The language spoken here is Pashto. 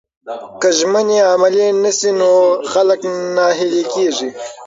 که ژمنې عملي نسي نو خلک ناهیلي کیږي.